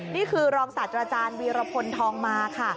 นี่คือรองศาสตราจารย์วีรพลทองมาค่ะ